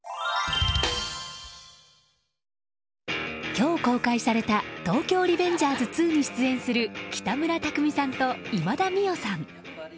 今日、公開された「東京リベンジャーズ２」に出演する北村匠海さんと今田美桜さん。